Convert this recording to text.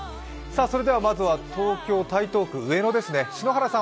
まずは東京・台東区、上野ですね、篠原さん